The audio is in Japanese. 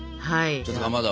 ちょっとかまど。